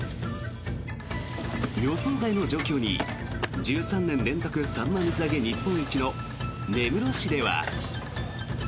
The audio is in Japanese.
予想外の状況に、１３年連続サンマ水揚げ量日本一の根室市では。